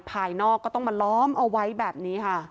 ภายนอกก็ต้องมาล้อมเอาไว้แบบนี้ค่ะ